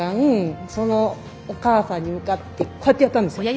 そのお母さんに向かってこうやってやったんですよ。